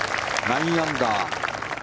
９アンダー。